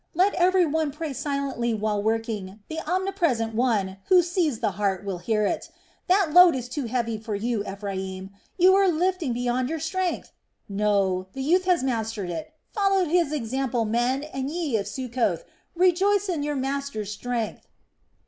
Let every one pray silently while working, the Omnipresent One, Who sees the heart, will hear it. That load is too heavy for you, Ephraim, you are lifting beyond your strength. No. The youth has mastered it. Follow his example, men, and ye of Succoth, rejoice in your master's strength."